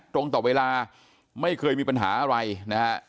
ตรงต่อเวลาไม่เคยมีปัญหาอะไรนะฮะ